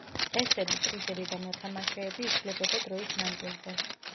წესები, პრიზები და მოთამაშეები იცვლებოდა დროის მანძილზე.